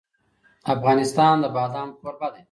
افغانستان د بادام کوربه دی.